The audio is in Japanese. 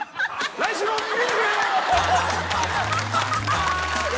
来週も見てくれよ！